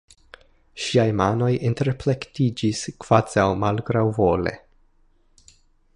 Ŝiaj manoj interplektiĝis kvazaŭ malgraŭvole.